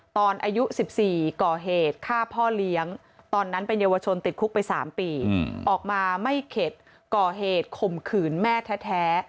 ตอนอายุ๑๔ก่อเหตุฆ่าพ่อเลี้ยงตอนนั้นเป็นเยาวชนติดคุกไป๓ปีออกมาไม่เข็ดก่อเหตุข่มขืนแม่แท้